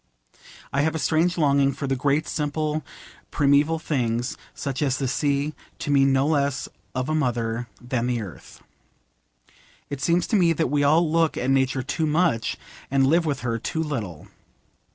I have a strange longing for the great simple primeval things, such as the sea, to me no less of a mother than the Earth. It seems to me that we all look at Nature too much, and live with her too little.